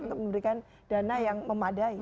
untuk memberikan dana yang memadai